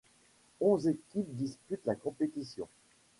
Onze équipes disputent la compétition.